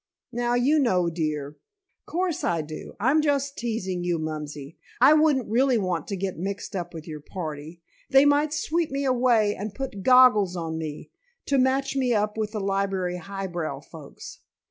"Now, you know, dear " "'Course I do. I'm just teasing you, Mumsey. I wouldn't really want to get mixed up with your party. They might sweep me away and put goggles on me, to match me up with the library high brow folks.